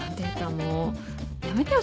もうやめてよ